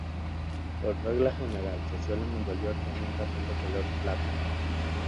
Por regla general, se suelen envolver con un papel de color plata.